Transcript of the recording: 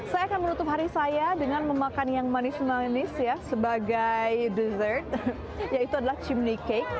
saya akan menutup hari saya dengan memakan yang manis manis ya sebagai dessert yaitu adalah chimney cake